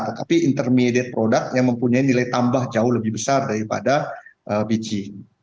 tetapi intermediate product yang mempunyai nilai tambah jauh lebih besar daripada biji